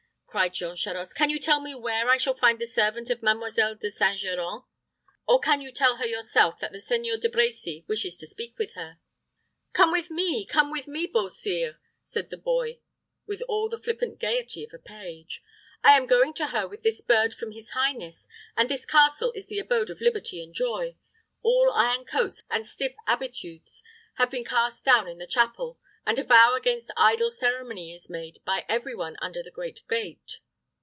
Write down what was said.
cried Jean Charost; "can you tell me where I shall find the servant of Mademoiselle De St. Geran; or can you tell her yourself that the Seigneur de Brecy wishes to speak with her?" "Come with me, come with me, Beau Sire," said the boy, with all the flippant gayety of a page. "I am going to her with this bird from his highness; and this castle is the abode of liberty and joy. All iron coats and stiff habitudes have been cast down in the chapel, and a vow against idle ceremony is made by every one under the great gate."